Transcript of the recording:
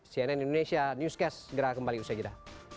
cnn indonesia newscast segera kembali usai jeda